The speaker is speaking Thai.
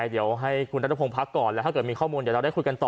เดี๋ยวให้คุณนัทพงศ์พักก่อนแล้วถ้าเกิดมีข้อมูลเดี๋ยวเราได้คุยกันต่อ